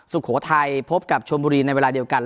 สุโขทัยพบกับชมบุรีในเวลาเดียวกัน